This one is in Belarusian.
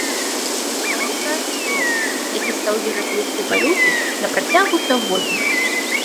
Ён стварыў пражскі грош, які стаў еўрапейскай валютай на працягу стагоддзяў.